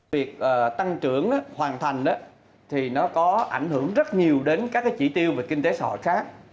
việc tăng trưởng hoàn thành thì nó có ảnh hưởng rất nhiều đến các chỉ tiêu về kinh tế xã hội khác